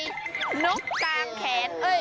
นกกางแขนเอ้ยกางเข็น